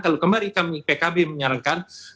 kalau kemarin kami pkb menyarankan